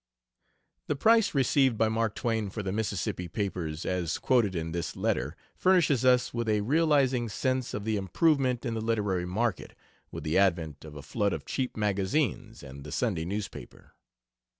The price received by Mark Twain for the Mississippi papers, as quoted in this letter, furnishes us with a realizing sense of the improvement in the literary market, with the advent of a flood of cheap magazines and the Sunday newspaper.